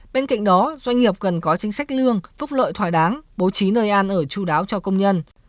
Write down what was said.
bên cạnh đó doanh nghiệp cần có chính sách lương phúc lợi thỏa đáng bố trí nơi ăn ở chú đáo cho công nhân